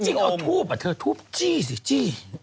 จริงมั้ยห์ทูปอ่ะเธอทูปจี้ซะจี้